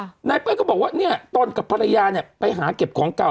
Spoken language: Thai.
นายเปิ้ลก็บอกว่าเนี้ยตนกับภรรยาเนี้ยไปหาเก็บของเก่า